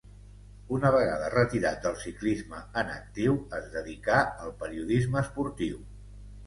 Una vegada retirat del ciclisme en actiu es dedicà al periodisme esportiu.